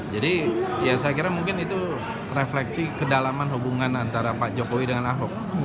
jadi ya saya kira mungkin itu refleksi kedalaman hubungan antara pak jokowi dengan ahok